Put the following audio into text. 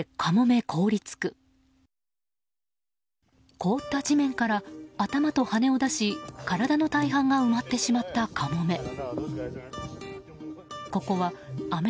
凍った地面から頭と羽を出し体の大半が埋まってしまったカモメ。